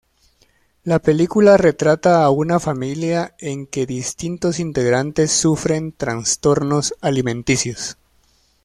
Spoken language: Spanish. La película retrata a una familia en que distintos integrantes sufren trastornos alimenticios.